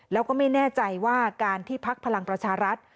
แล้วก็ไม่แน่ใจว่าการที่พักพลังประชารัฐ